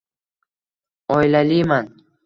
Oilaliman.